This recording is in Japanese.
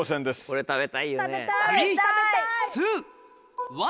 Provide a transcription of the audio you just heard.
これ食べたいよね。